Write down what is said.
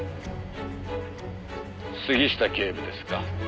「杉下警部ですか？」